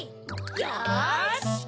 よし！